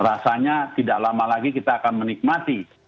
rasanya tidak lama lagi kita akan menikmati